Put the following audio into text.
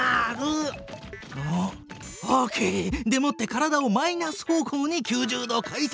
オッオッケー！でもって体をマイナス方向に９０度回転！